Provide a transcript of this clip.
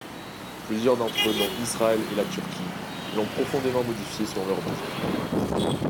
Plusieurs d'entre eux, dont Israël et la Turquie, l'ont profondément modifié selon leurs besoins.